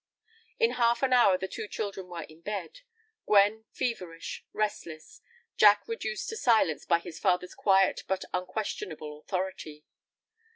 In half an hour the two children were in bed; Gwen feverish, restless, Jack reduced to silence by his father's quiet but unquestionable authority.